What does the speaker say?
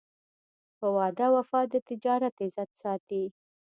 په وعده وفا د تجارت عزت ساتي.